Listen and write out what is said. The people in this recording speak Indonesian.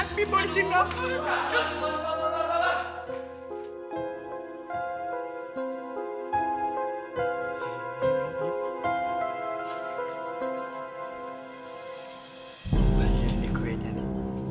aku masih ingat kita ada kuenya makanannya sih nuka